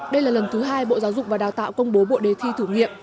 đây là lần thứ hai bộ giáo dục và đào tạo công bố bộ đề thi thử nghiệm